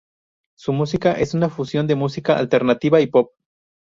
Su música es una fusión de música alternativa y pop.